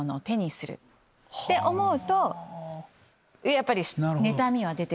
やっぱり。